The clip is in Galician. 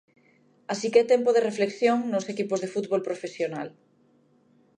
Así que é tempo de reflexión nos equipos do fútbol profesional.